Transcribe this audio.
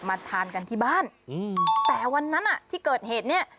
มาทานกันที่บ้านอืมแต่วันนั้นอ่ะที่เกิดเหตุเนี่ย